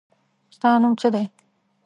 ستا نوم څه دی؟